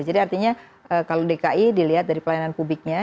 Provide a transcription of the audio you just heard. jadi artinya kalau dki dilihat dari pelayanan publiknya